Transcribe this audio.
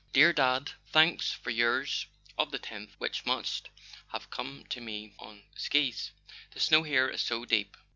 " Dear Dad, thanks for yours of the tenth, which must have come to me on skis, the snow here is so deep."